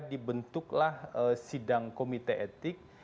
dibentuklah sidang komite etik